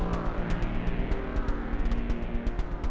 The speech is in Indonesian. ada pasien yang gagal nafas di icu